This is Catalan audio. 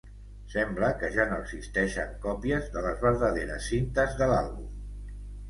Sembla que ja no existeixen còpies de les verdaderes cintes de l'àlbum.